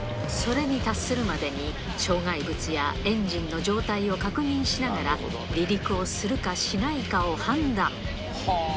それに達するまでに障害物やエンジンの状態を確認しながら、離陸をするかしないかを判断。